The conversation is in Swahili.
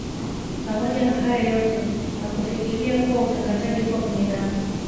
Pamoja na hayo yote hakufikiria kuwa utangazaji upo kwenye damu